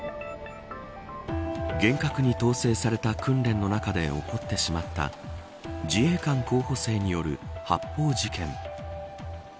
厳格に統制された訓練の中で起こってしまった自衛官候補生による発砲事件。